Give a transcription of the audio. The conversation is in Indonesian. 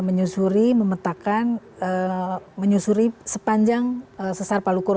menyusuri memetakan menyusuri sepanjang sesar palu koro